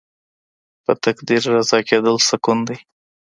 په تقدیر رضا کیدل سکون دی.